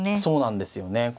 そうなんですよね。